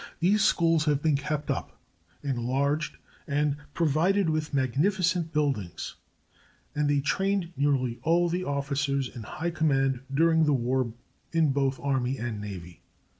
These schools have been kept up, enlarged and provided with magnificent buildings; and they trained nearly all the officers in high command during the world war in both army and navy.